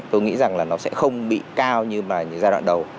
tôi nghĩ rằng là nó sẽ không bị cao như mà giai đoạn đầu